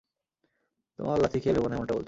তোমার লাথি খেয়ে ভেবো না এমনটা বলছি!